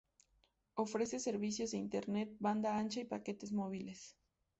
Ofrece servicios de Internet banda ancha y paquetes móviles.